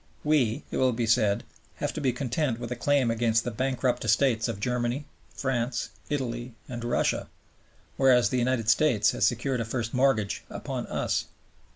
We, it will be said, have to be content with a claim against the bankrupt estates of Germany, France, Italy, and Russia, whereas the United States has secured a first mortgage upon us.